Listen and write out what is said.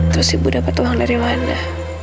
terus ibu dapat uang dari mana